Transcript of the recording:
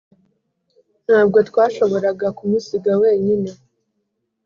ntabwo twashoboraga kumusiga wenyine.